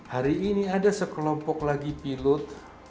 hari ini ada sekelompok lagi pilot